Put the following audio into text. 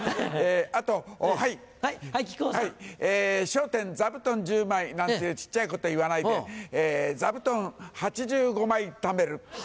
『笑点』座布団１０枚なんて小っちゃいこと言わないで座布団８５枚ためる。